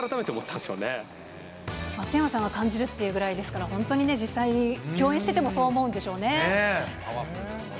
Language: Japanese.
松山さんが感じるっていうぐらいですから、本当にね、実際、共演しててもそう思うんでしょうパワフルですもんね。